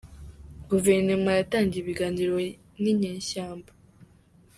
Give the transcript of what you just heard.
Guverinoma yatangiye ibiganiro n’inyeshyamba